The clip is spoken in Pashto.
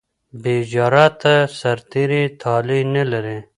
بې جراته سرتیري طالع نه لري.